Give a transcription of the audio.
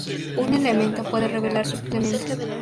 Un elemento puede revelar sub elementos.